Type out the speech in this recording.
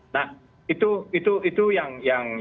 nah itu yang